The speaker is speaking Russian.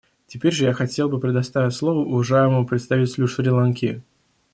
Теперь же я хотел бы предоставить слово уважаемому представителю Шри-Ланки.